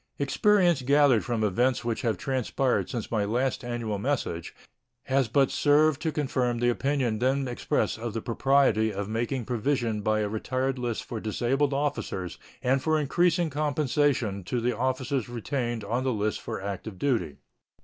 Experience gathered from events which have transpired since my last annual message has but served to confirm the opinion then expressed of the propriety of making provision by a retired list for disabled officers and for increased compensation to the officers retained on the list for active duty.